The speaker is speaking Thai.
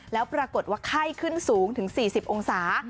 แล้วปรากฏว่าไข้ขึ้นสูงถึง๔๐องศา